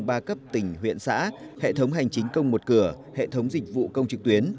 ba cấp tỉnh huyện xã hệ thống hành chính công một cửa hệ thống dịch vụ công trực tuyến